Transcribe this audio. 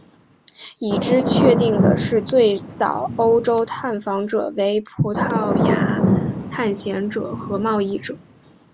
已知确定的最早欧洲探访者为葡萄牙探险者和贸易者。